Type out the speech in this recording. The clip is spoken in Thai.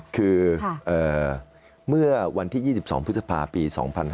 คือเมื่อวันที่๒๒พฤษภาปี๒๕๕๙